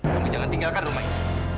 kamu jangan tinggalkan rumah ini